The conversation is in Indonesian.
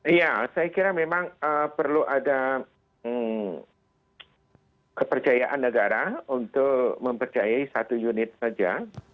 iya saya kira memang perlu ada kepercayaan negara untuk mempercayai satu unit saja